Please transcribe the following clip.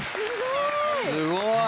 すごい。